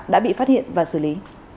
đã bị phát hiện và xử lý